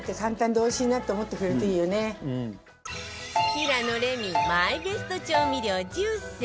平野レミマイベスト調味料１０選